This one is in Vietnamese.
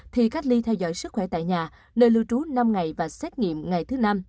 thì cách ly theo dõi sức khỏe tại nhà nơi lưu trú năm ngày và xét nghiệm ngày thứ năm